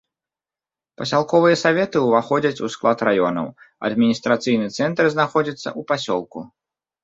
Пасялковыя саветы ўваходзяць у склад раёнаў, адміністрацыйны цэнтр знаходзіцца ў пасёлку.